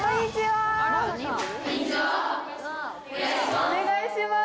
お願いします。